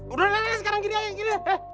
udah sekarang gini aja